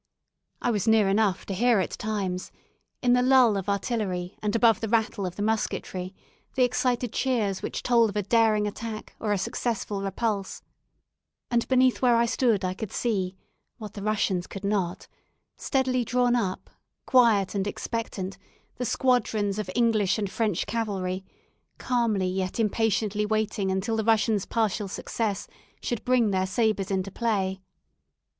I was near enough to hear at times, in the lull of artillery, and above the rattle of the musketry, the excited cheers which told of a daring attack or a successful repulse; and beneath where I stood I could see what the Russians could not steadily drawn up, quiet and expectant, the squadrons of English and French cavalry, calmly yet impatiently waiting until the Russians' partial success should bring their sabres into play.